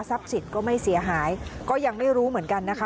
สิทธิ์ก็ไม่เสียหายก็ยังไม่รู้เหมือนกันนะคะ